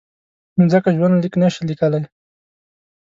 نو ځکه ژوندلیک نشي لیکلای.